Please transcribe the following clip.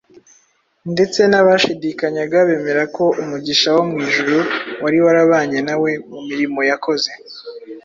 ndetse n’abashidikanyaga, bemera ko umugisha wo mu ijuru wari warabanye nawe mu mirimo yakoze.